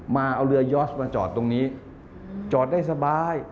มาเอาเรือยอดมาจอดตรงนี้จอดได้สบาย